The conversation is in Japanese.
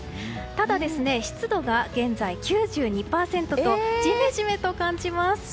ただ、湿度が現在９２％とジメジメと感じます。